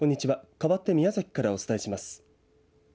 かわって宮崎からお伝えします。